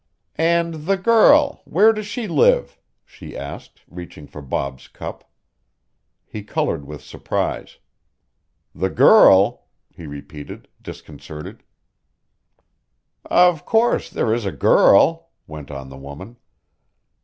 "And the girl where does she live?" she asked, reaching for Bob's cup. He colored with surprise. "The girl?" he repeated, disconcerted. "Of course there is a girl," went on the woman.